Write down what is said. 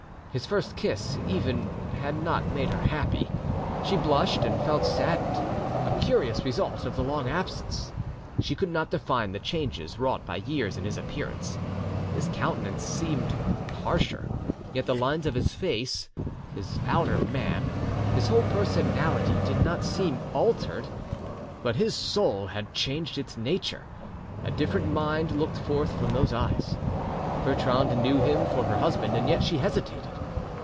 His first kiss, even, had not made her happy: she blushed and felt saddened—a curious result of the long absence! She could not define the changes wrought by years in his appearance: his countenance seemed harsher, yet the lines of his face, his outer man, his whole personality, did not seem altered, but his soul had changed its nature, a different mind looked forth from those eyes. Bertrande knew him for her husband, and yet she hesitated.